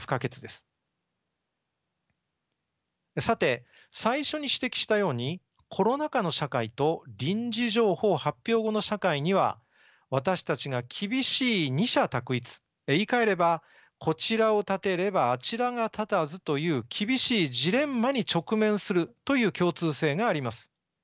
さて最初に指摘したようにコロナ禍の社会と臨時情報発表後の社会には私たちが厳しい二者択一言いかえればこちらを立てればあちらが立たずという厳しいジレンマに直面するという共通性があります。